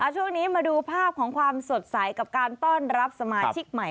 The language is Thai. ช่วงนี้มาดูภาพของความสดใสกับการต้อนรับสมาชิกใหม่